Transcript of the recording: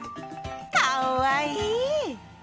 かっわいい！